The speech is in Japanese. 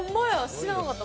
知らなかった。